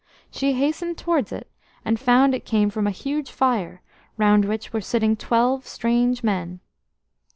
She hastened towards it, and found it came from a huge fire, round which were sitting twelve strange men.